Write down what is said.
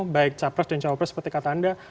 baik capres dan cawapres seperti kata anda